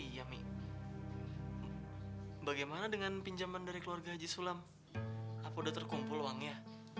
oh iya mi bagaimana dengan pinjaman dari keluarga haji sulam apa udah terkumpul uangnya